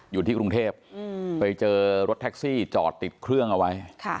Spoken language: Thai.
อยู่ที่กรุงเทพไปเจอรถแท็กซี่จอดติดเครื่องเอาไว้